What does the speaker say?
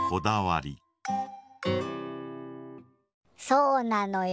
そうなのよ。